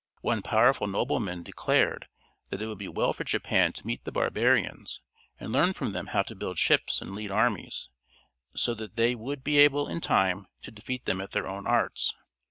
One powerful nobleman declared that it would be well for Japan to meet the barbarians, and learn from them how to build ships and lead armies, so that they would be able in time to defeat them at their own arts.